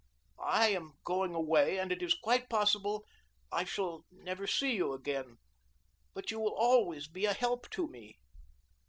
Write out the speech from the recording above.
I am going away and it is quite possible I shall never see you again, but you will always be a help to me."